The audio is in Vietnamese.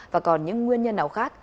và còn những nguyên nhân nào khác